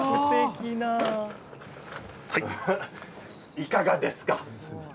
いかがですか？